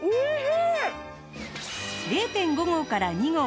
０．５ 合から２合！